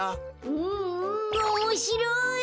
うんうんおもしろい！